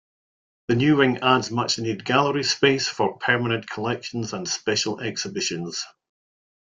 The new wing adds much-needed gallery space for permanent collections and special exhibitions.